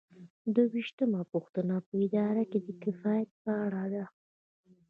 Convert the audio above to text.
دوه ویشتمه پوښتنه په اداره کې د کفایت په اړه ده.